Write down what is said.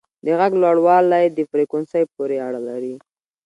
د غږ لوړوالی د فریکونسي پورې اړه لري.